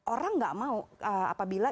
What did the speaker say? orang tidak mau apabila